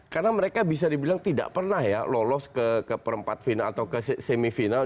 karena mereka bisa dibilang tidak pernah ya lolos ke perempat final atau ke semifinal